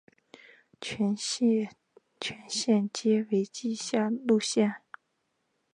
全线皆为地下路线。